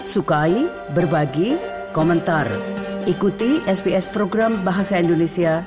sps program bahasa indonesia